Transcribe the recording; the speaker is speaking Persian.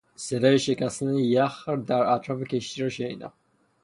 صدای شکستن یخ در اطراف کشتی را شنیدم.